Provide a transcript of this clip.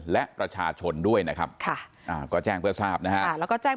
และประชาชนด้วยนะครับค่ะก็แจ้งเพื่อทราบนะครับแล้วก็แจ้ง